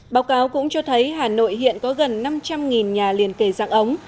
báo cáo cũng cho thấy hà nội hiện có gần năm trăm linh nhà liền kề dạng ống